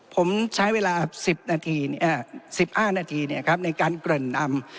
ผมใช้เวลา๑๕นาทีในการเกริ่นนำ